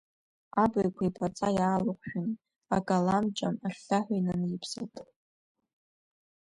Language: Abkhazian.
Абаҩқәа иԥаҵа иаалыҟәшәаны, акалам џьам ахьхьаҳәа инаниԥсалт.